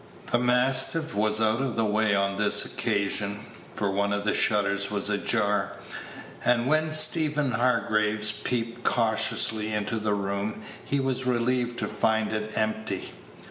The mastiff was out of the way on this occasion, for one of the shutters was ajar: and when Stephen Hargraves peeped cautiously into the room, he was relieved to find it empty.